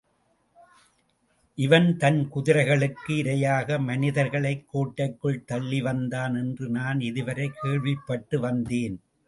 இவன் தன் குதிரைகளுக்கு இரையாக மனிதர்களைக் கோட்டைக்குள் தள்ளி வந்தான் என்று நான் இதுவரை கேள்விப்பட்டு வந்தேன்.